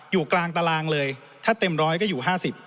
อยู่กลางตารางเลยถ้าเต็มร้อยก็อยู่๕๐